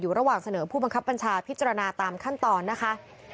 ระหว่างเสนอผู้บังคับบัญชาพิจารณาตามขั้นตอนนะคะ